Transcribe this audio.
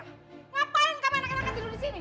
ngapain kamu anak anak tidur disini